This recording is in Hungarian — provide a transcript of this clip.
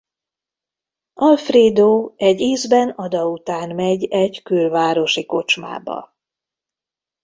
Alfredo egy ízben Ada után megy egy külvárosi kocsmába.